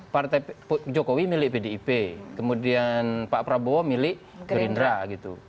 partai jokowi milik pdip kemudian pak prabowo milik gerindra gitu